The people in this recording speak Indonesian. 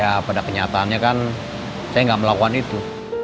ya pada kenyataannya kan saya nggak melakukan itu